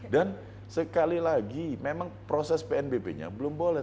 dan sekali lagi memang proses pnbp nya belum boleh